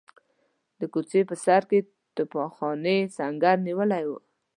د کوڅې په سر کې توپخانې سنګر نیولی وو.